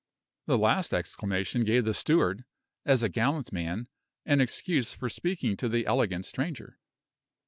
This last exclamation gave the steward, as a gallant man, an excuse for speaking to the elegant stranger.